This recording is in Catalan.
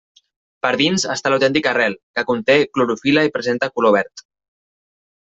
Per dins està l'autèntica arrel, que conté clorofil·la i presenta color verd.